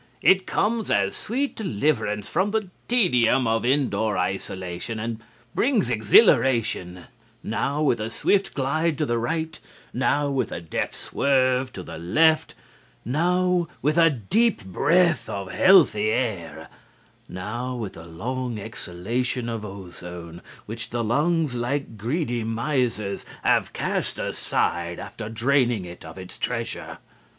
It comes as sweet deliverance from the tedium of indoor isolation and brings exhilaration, now with a swift glide to the right, now with a deft swerve to the left, now with a deep breath of healthy air, now with a long exhalation of ozone, which the lungs, like greedy misers, have cast aside after draining it of its treasure.